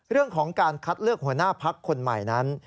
เรื่องของการคัดเลือกหัวหน้าพักคนใหม่นั้น